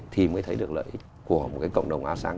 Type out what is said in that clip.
thì mới thấy được lợi của một cộng đồng asean